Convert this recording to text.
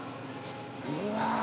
うわ！